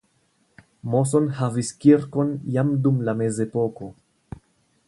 Moson havis kirkon jam dum la mezepoko.